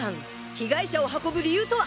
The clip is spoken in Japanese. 被害者を運ぶ理由とは？